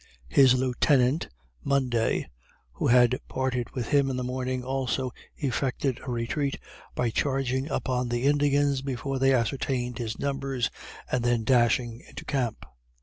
His Lieutenant, Munday, who had parted with him in the morning, also effected a retreat, by charging upon the Indians, before they ascertained his numbers, and then dashing into camp.